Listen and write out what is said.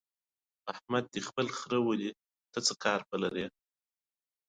احمد دې خپل خره ولي.